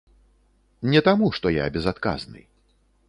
Не таму, што я безадказны.